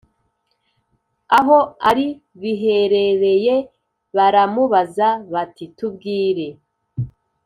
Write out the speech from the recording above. Aho ari biherereye baramubaza bati tubwire